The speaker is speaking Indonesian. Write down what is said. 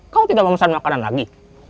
kau tidak mau pesan makanan lagi